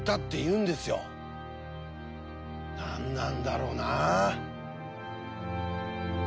何なんだろうなあ。